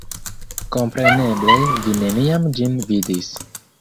Kompreneble, vi neniam ĝin vidis.